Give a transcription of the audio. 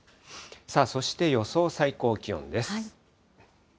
そして予想最高気温です。